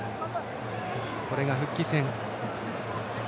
これが復帰戦。